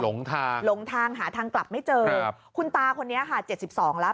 หลงทางหลงทางหาทางกลับไม่เจอคุณตาคนนี้ค่ะ๗๒แล้ว